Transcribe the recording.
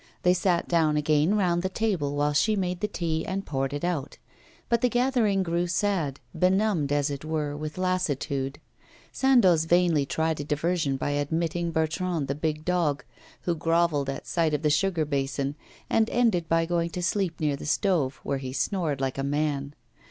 They sat down again round the table while she made the tea and poured it out. But the gathering grew sad, benumbed, as it were, with lassitude. Sandoz vainly tried a diversion by admitting Bertrand, the big dog, who grovelled at sight of the sugar basin, and ended by going to sleep near the stove, where he snored like a man.